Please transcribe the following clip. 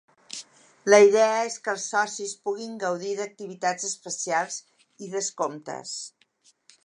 La idea és que els socis puguin gaudir d’activitats especials i descomptes.